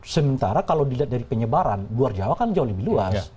sementara kalau dilihat dari penyebaran luar jawa kan jauh lebih luas